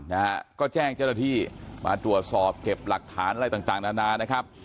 นะฮะก็แจ้งเจ้าหน้าที่มาตรวจสอบเก็บหลักฐานอะไรต่างต่างนานานะครับ